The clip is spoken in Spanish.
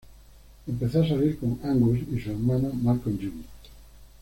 Empezó a salir con Angus y su hermano, Malcolm Young.